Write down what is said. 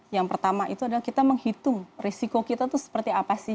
yang pertama itu adalah kita menghitung risiko kita itu seperti apa sih